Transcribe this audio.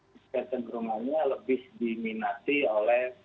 kesentrumannya lebih diminati oleh kaum milenial atau generasi muda saat ini